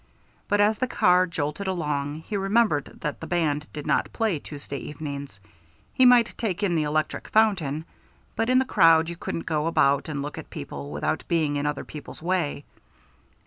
But as the car jolted along, he remembered that the band did not play Tuesday evenings. He might take in the electric fountain, but in the crowd you couldn't go about and look at people without being in other people's way.